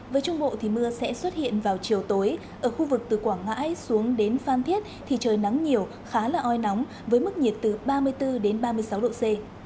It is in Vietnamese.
với trung bộ thì mưa sẽ xuất hiện vào chiều tối ở khu vực từ quảng ngãi xuống đến phan thiết thì trời nắng nhiều khá là oi nóng với mức nhiệt từ ba mươi bốn đến ba mươi sáu độ c